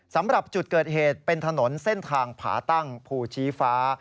สำหรับจุดเกิดเหตุเป็นถนนเส้นทางผาตั้งภูชีฟ้า